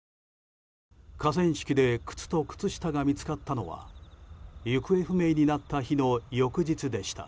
河川敷で靴と靴下が見つかったのは行方不明になった日の翌日でした。